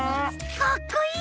かっこいい！